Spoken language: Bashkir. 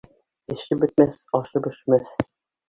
Эше бөтмәҫ, ашы бешмәҫ.